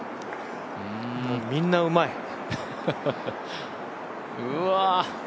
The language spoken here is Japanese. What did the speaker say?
みんなうまい。